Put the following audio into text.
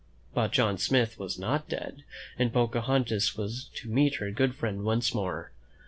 But John Smith was not dead, and Pocahon tas was to meet her good friend once more.